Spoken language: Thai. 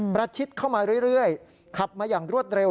ประชิดเข้ามาเรื่อยขับมาอย่างรวดเร็ว